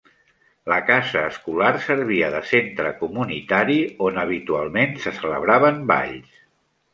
La casa escolar servia de centre comunitari on habitualment se celebraven balls.